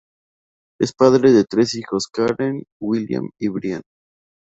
Es padre de tres hijos, Karen, William y Brian.